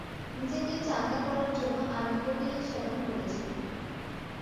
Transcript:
নিজেকে চাঙ্গা করার জন্য আমি কোকেইন সেবন করেছি।